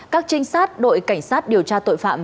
các trinh sát đội cảnh sát điều tra tội phạm